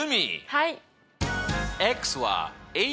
はい。